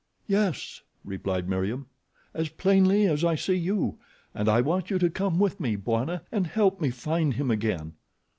"Yes," replied Meriem; "as plainly as I see you, and I want you to come with me, Bwana, and help me find him again."